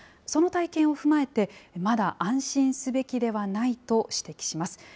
その体験を踏まえて、まだ安心すべきではないと指摘します。